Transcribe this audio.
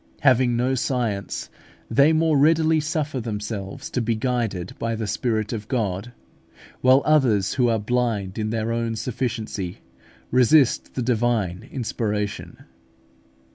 Having no science, they more readily suffer themselves to be guided by the Spirit of God: while others who are blind in their own sufficiency resist the divine inspiration.